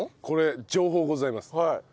これ情報ございます。